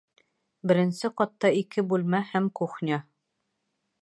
Беренсе ҡатта ике бүлмә һәм кухня